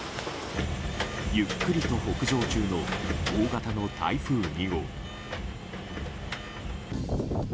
ゆっくりと北上中の大型の台風２号。